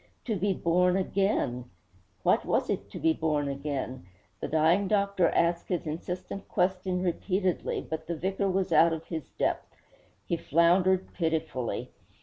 To be born again! What was it to be born again? The dying doctor asked his insistent question repeatedly, but the vicar was out of his depth. He floundered pitifully.